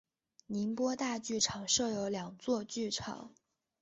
宁波大剧院设有两座剧场。